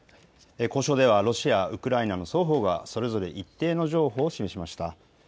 交渉ではロシア、ウクライナの双方がそれぞれ一定の譲歩を示しました。